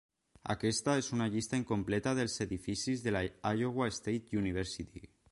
Aquesta és una llista incompleta dels edificis de la Iowa State University.